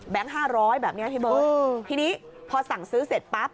ห้าร้อยแบบนี้พี่เบิร์ตทีนี้พอสั่งซื้อเสร็จปั๊บ